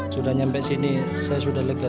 sudah sampai sini saya sudah lega